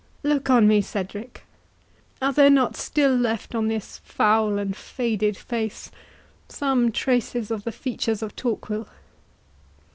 —Look on me, Cedric—are there not still left on this foul and faded face some traces of the features of Torquil?"